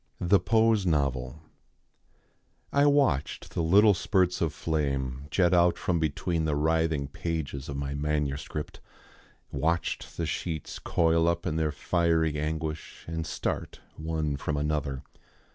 THE POSE NOVEL I watched the little spurts of flame jet out from between the writhing pages of my manuscript, watched the sheets coil up in their fiery anguish and start one from another.